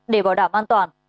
để bảo đảm an toàn